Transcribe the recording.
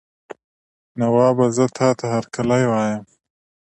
نوابه زه تاته هرکلی وایم.